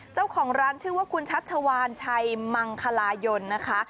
เจ้าของร้านชื่อว่าคุณชัชวานชัยมังคลายนนะคะ